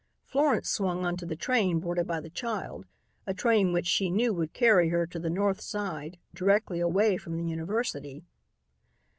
Florence swung onto the train boarded by the child, a train which she knew would carry her to the north side, directly away from the university.